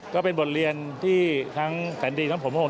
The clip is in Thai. ก็เป็นบทเรียนที่ทั้งแสนดีและผมโปรโหง